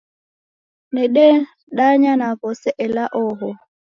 Nadedanya na w'ose, ela oho.